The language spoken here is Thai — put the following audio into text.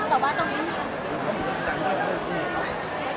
เข้าใจพูดพูดเป็นน่ะ